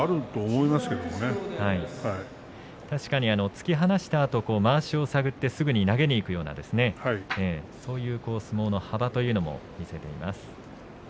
突き放したあとまわしを探って投げにいくそういう相撲の幅というものを見せています。